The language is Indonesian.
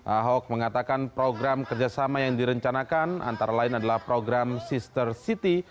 ahok mengatakan program kerjasama yang direncanakan antara lain adalah program sister city